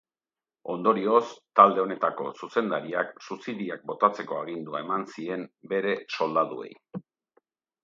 Ondorioz, talde honetako zuzendariak suziriak botatzeko agindua eman zien bere soldaduei.